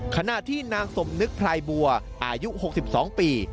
ขณะที่นางสมนึกพรายบัวอายุ๖๒ปี